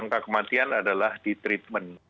angka kematian adalah di treatment